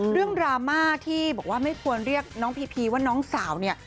ดราม่าที่บอกว่าไม่ควรเรียกน้องพีพีว่าน้องสาวเนี่ย